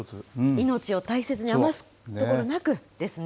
命を大切に、余すところなくですね。